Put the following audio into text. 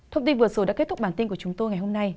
thông tin vừa rồi đã kết thúc bản tin của chúng tôi ngày hôm nay